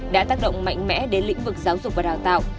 đã tác động mạnh mẽ đến lĩnh vực giáo dục và đào tạo